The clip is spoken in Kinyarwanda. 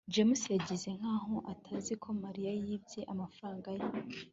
james yigize nkaho atazi ko mariya yibye amafaranga ye